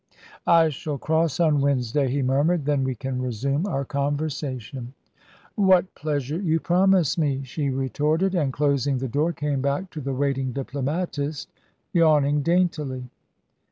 "I shall cross on Wednesday," he murmured; "then we can resume our conversation." "What pleasure you promise me!" she retorted; and, closing the door, came back to the waiting diplomatist, yawning daintily.